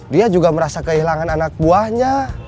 dia juga merasa kehilangan anak buahnya